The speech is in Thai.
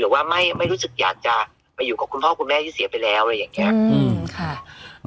ว่าไม่รู้สึกอยากจะไปอยู่กับคุณพ่อคุณแม่ที่เสียไปแล้วอะไรอย่างนี้